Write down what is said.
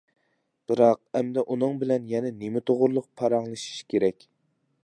بىراق ئەمدى ئۇنىڭ بىلەن يەنە نېمە توغرۇلۇق پاراڭلىشىش كېرەك.